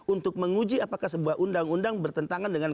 untuk menguji apakah sebuah undang undang bertentangan dengan